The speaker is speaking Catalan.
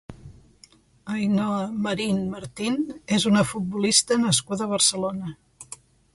Ainhoa Marín Martín és una futbolista nascuda a Barcelona.